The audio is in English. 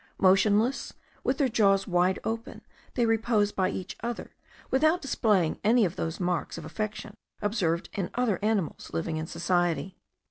Motionless, with their jaws wide open, they repose by each other, without displaying any of those marks of affection observed in other animals living in society.